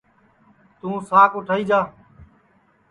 توںساک اوٹھائی جا